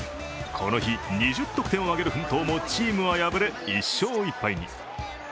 この日２０得点を挙げる奮闘もチームは敗れ１勝１敗に。